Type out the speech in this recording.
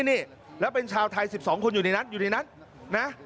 นี่แล้วเป็นชาวไทย๑๒คนอยู่ในนั้นอยู่ในนั้นนะ